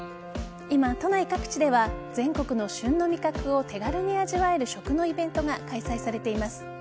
今、都内各地では全国の旬の味覚を手軽に味わえる食のイベントが開催されています。